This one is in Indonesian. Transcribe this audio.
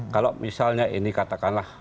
kalau misalnya ini katakanlah